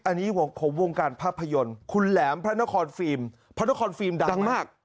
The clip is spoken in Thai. อันนี้ผมวงการภาพยนตร์คุณแหลมพระนครฟิล์มพระนครฟิล์มดังมาก